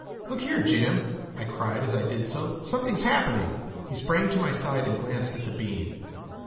"Look here, Jim!" I cried as I did so. "Something's happening!" He sprang to my side and glanced at the beam.